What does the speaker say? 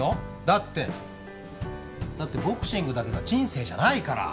だってだってボクシングだけが人生じゃないから。